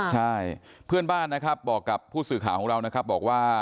ใช่เพื่อนบ้านนะครับบอกกับผู้สื่อข่าวของเรานะครับบอกว่า